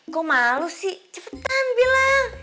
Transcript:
kok malu sih cepetan bilang